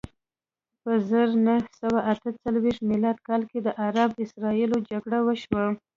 په زر نه سوه اته څلویښت میلادي کال کې د عرب اسراییلو جګړه وشوه.